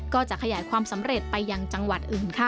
ก็จะขยายความสำเร็จไปยังจังหวัดอื่นค่ะ